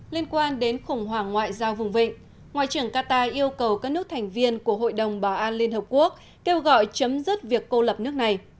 liên quan đến khủng hoảng ngoại giao vùng vịnh ngoại trưởng qatar yêu cầu các nước thành viên của hội đồng bảo an liên hợp quốc kêu gọi chấm dứt việc cô lập nước này